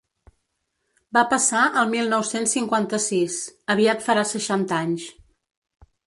Va passar el mil nou-cents cinquanta-sis: aviat farà seixanta anys.